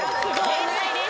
正解です。